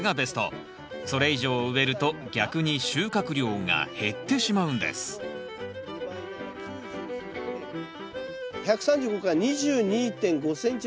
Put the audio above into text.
それ以上植えると逆に収穫量が減ってしまうんです１３５から２２．５ｃｍ。